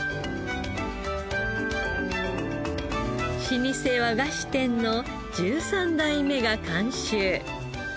老舗和菓子店の１３代目が監修。